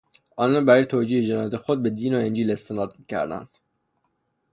آنان برای توجیه جنایات خود به دین و انجیل استناد میکردند.